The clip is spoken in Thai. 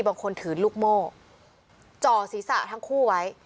บางคนถือลูกโม่จ่อศีรษะทั้งคู่ไว้